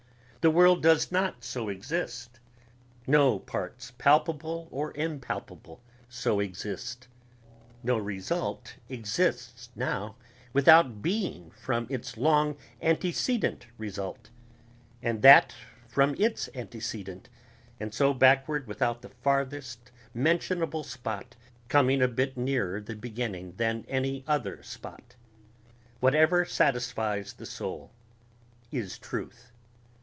The world does not so exist ... no parts palpable or impalpable so exist ... no result exists now without being from its long antecedent result, and that from its antecedent, and so backward without the farthest mentionable spot coming a bit nearer the beginning than any other spot.... Whatever satisfies the soul is truth.